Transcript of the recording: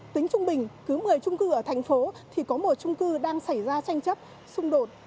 tính trung bình cứ một mươi trung cư ở thành phố thì có một trung cư đang xảy ra tranh chấp xung đột